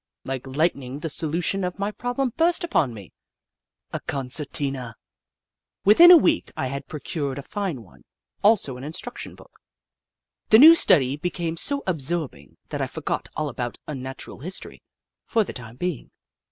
Like lightning the solution of my problem burst upon me. A concertina ! 1 70 The Book of Clever Beasts Within a week I had procured a fine one, also an instruction book. The new study became so absorbing that I forgot all about Unnatural History, for the time being.